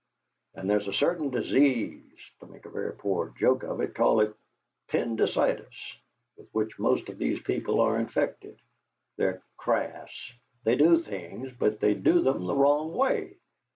And there's a certain disease to make a very poor joke, call it 'Pendycitis' with which most of these people are infected. They're 'crass.' They do things, but they do them the wrong way!